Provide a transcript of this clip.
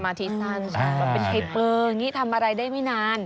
เป็นเคยเปลืองงี้ทำอะไรได้ไม่นาน